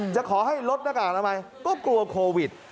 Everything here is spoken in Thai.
จะขอให้ลดหน้ากากอนามัยก็กลัวโควิด